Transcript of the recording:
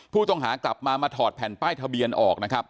ผู้ต้องหากลับมามาถอดแผ่นป้ายทะเบียนออกนะครับ